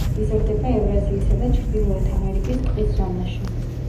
იზრდება ევრაზიისა და ჩრდილოეთ ამერიკის ტყის ზონაში.